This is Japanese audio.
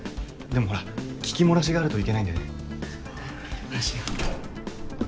でもほら聞き漏らしがあるといけないんでね。